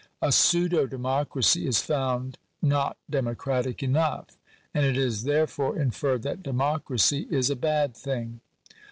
A pseudo democracy is found not democratic enough, and it is therefore inferred that democracy is a bad thing!